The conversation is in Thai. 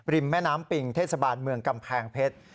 แม่น้ำปิงเทศบาลเมืองกำแพงเพชร